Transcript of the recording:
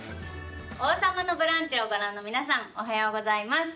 「王様のブランチ」をご覧の皆さん、おはようございます。